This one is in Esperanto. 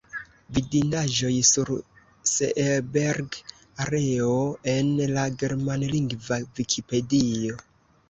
Vidindaĵoj sur Seeberg-areo en la germanlingva Vikipedio.